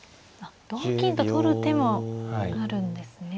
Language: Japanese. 同金と取る手もあるんですね。